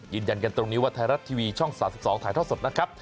ยืนยันกันตรงนี้ว่าไทยรัฐทีวีช่อง๓๒ถ่ายท่อสดนะครับ